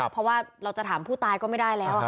เพราะว่าเราจะถามผู้ตายก็ไม่ได้แล้ว